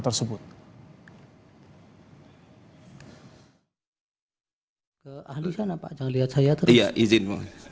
terima kasih dan jangan kaukut retrot frozen